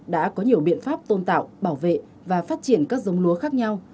đã có nhiều biện pháp tôn tạo bảo vệ và phát triển các giống lúa khác nhau